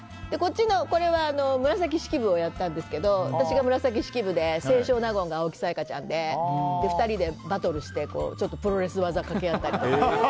これは紫式部をやったんですけど私が紫式部で清少納言が青木さやかちゃんで２人でバトルしてプロレス技かけ合ったりとか。